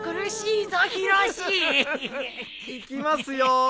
いきますよー。